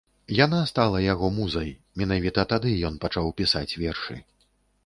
Яна стала яго музай, менавіта тады ён пачаў пісаць вершы.